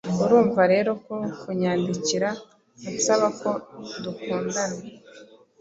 Urumva rero ko kunyandikira ansaba ko dukundana